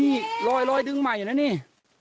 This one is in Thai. ที่นี่รอยดึงใหม่อย่างนั้นเนี้ย